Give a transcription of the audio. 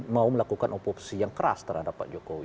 mau melakukan oposisi yang keras terhadap pak jokowi